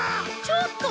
ちょっと！